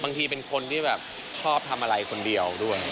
เป็นคนที่แบบชอบทำอะไรคนเดียวด้วย